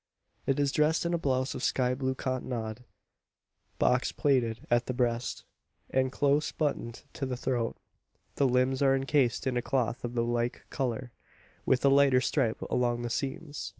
It is dressed in a blouse of sky blue cottonade box plaited at the breast, and close buttoned to the throat. The limbs are encased in a cloth of the like colour, with a lighter stripe along the seams.